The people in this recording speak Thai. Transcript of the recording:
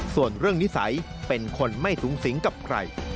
ส่วนเรื่องนิสัยเป็นคนไม่สูงสิงกับใคร